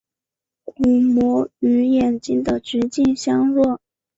鼓膜与眼睛的直径相若。